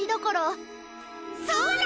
そうだ！